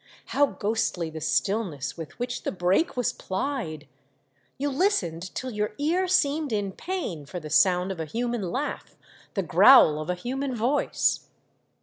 How ghostly the. stillness with which the brake was plied ! You listened till your ear seemed in pain for the sound of a human laugh, the growl of a human voice.